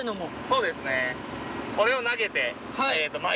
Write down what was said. そうですね。